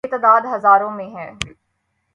یہ تعداد ہزاروں میں ہے۔